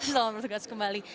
selamat berjalan kembali